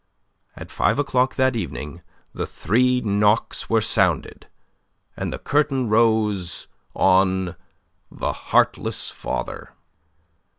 At five o'clock that evening the three knocks were sounded, and the curtain rose on "The Heartless Father."